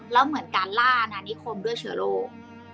แล้วเหมือนการล่านานิคมด้วยเชื้อโรค